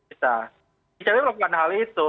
icw melakukan hal itu